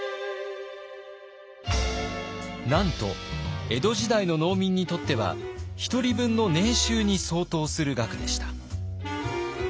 なんと江戸時代の農民にとっては１人分の年収に相当する額でした。